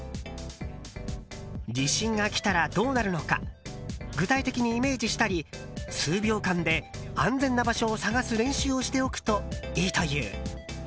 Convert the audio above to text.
地震が来たらどうなるのか具体的にイメージしたり数秒間で安全な場所を探す練習をしておくといいという。